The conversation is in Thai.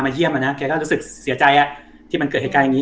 เยี่ยมอ่ะนะแกก็รู้สึกเสียใจที่มันเกิดเหตุการณ์อย่างนี้